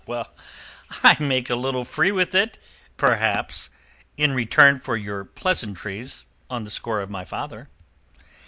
"I make a little free with it, perhaps, in return for your pleasantries on the score of my father."